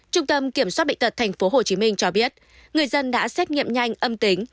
trung tâm kiểm soát bệnh tật tp hcm cho biết người dân đã xét nghiệm nhanh âm tính